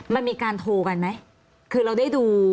มันมีการโทรกันไหมคือเราได้ดู